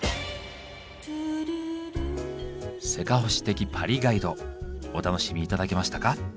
せかほし的パリガイド。お楽しみ頂けましたか？